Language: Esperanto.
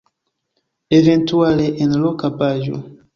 Eventuale en loka paĝo.